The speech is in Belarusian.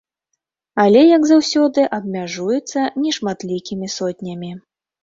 Але, як заўсёды, абмяжуецца нешматлікімі сотнямі.